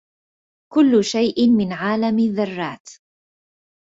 كل شيء من عالم الذرات